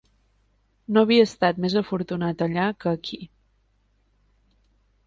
No havia estat més afortunat allà que aquí.